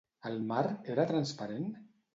El mar era transparent?